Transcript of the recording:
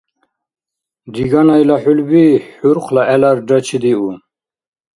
Риганайла хӀулби ХӀурхъла гӀеларра чедиу.